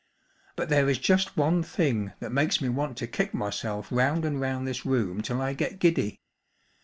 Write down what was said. But there is just one thing that makes me want to kick myself round and round this room till I get giddy.